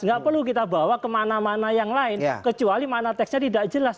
nggak perlu kita bawa kemana mana yang lain kecuali mana teksnya tidak jelas